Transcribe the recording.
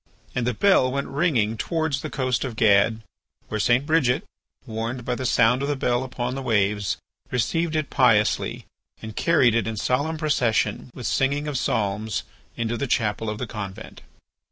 And the bell went ringing towards the coast of Gad, where St. Bridget, warned by the sound of the bell upon the waves, received it piously, and carried it in solemn procession with singing of psalms into the chapel of the convent.